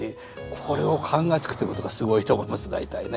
これを考えつくっていうことがすごいと思います大体ね。